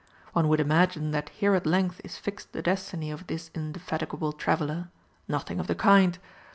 One would imagine that here at length is fixed the destiny of this indefatigable traveller. Nothing of the kind.